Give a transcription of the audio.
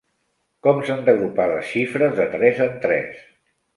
Com s'han d'agrupar les xifres de tres en tres?